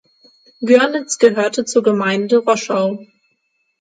Görnitz gehörte zur Gemeinde Roschau.